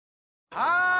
はい！